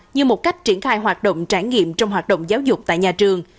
như một cách triển khai hoạt động trải nghiệm trong hoạt động giáo dục tại nhà trường